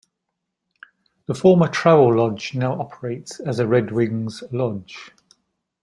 The former Travelodge now operates as a Redwings Lodge.